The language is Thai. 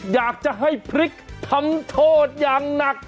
อยากจะให้พริกทำโทษอย่างหนัก